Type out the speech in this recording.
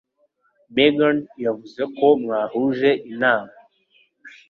Megan yavuze ko mwahuje Inama.